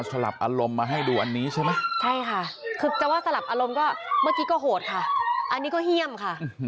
สามารถให้ไม่เห็นภาพฟังเสียง